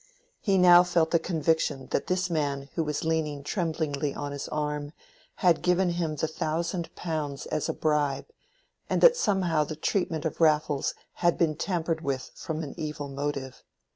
He now felt the conviction that this man who was leaning tremblingly on his arm, had given him the thousand pounds as a bribe, and that somehow the treatment of Raffles had been tampered with from an evil motive.